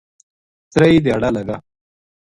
تریئی دھیاڑا لگا۔